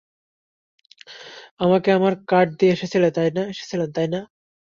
আমাকে আমার কার্ড দিয়ে এসেছিলেন, তাই না?